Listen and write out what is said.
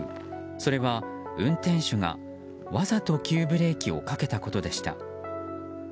それは、運転手がわざと急ブレーキをかけたことでした。